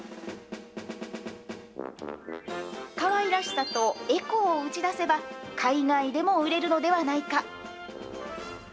かわいらしさとエコを打ち出せば、海外でも売れるのではないか。